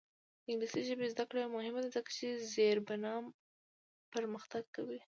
د انګلیسي ژبې زده کړه مهمه ده ځکه چې زیربنا پرمختګ کوي.